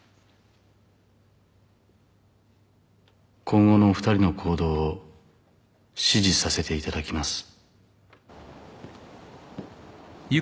「今後のお二人の行動を指示させていただきます」